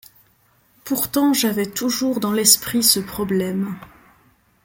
Pourtant j'avais toujours dans l'esprit ce problème :